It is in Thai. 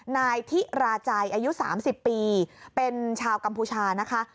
นายทิราใจอายุ๓๐ปีเป็นชาวกัมพูชานะคะ